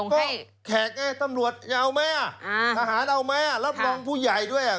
ก็แขกไงตำรวจอย่าเอาไหมทหารเอาไหมรับรองผู้ใหญ่ด้วย